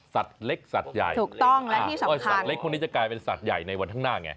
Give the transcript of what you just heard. สัตว์เล็กสัตว์ใหญ่สัตว์เล็กคนนี้จะกลายเป็นสัตว์ใหญ่ในวันข้างหน้าไง